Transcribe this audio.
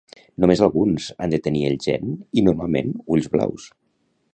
Només alguns, han de tenir el gen i normalment ulls blaus.